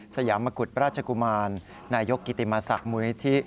สยามกุฎราชกุมารนายกกิติมาศักดิ์มูลนิธิ